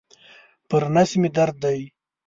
پر نس مي درد دی.